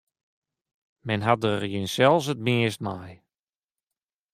Men hat der jinsels it meast mei.